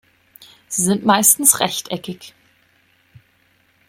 Sie sind meistens rechteckig.